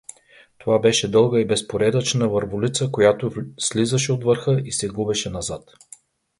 Това беше дълга и безпоредъчна върволица, която слизаше от върха и се губеше назад.